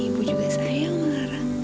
ibu juga sayang sama lara